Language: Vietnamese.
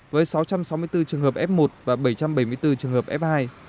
với sáu trăm sáu mươi bốn trường hợp f một và bảy trăm bảy mươi bốn trường hợp f hai